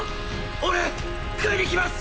俺食いに来ます。